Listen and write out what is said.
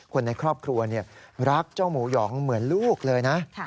คนในครอบครัวรักเจ้าหมูหยองเหมือนลูกเลยนะ